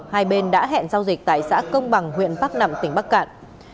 hai bên đã hẹn giao dịch tại xã công bằng huyện bắc nẵm tỉnh bắc cạn